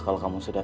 dia sudah berjalan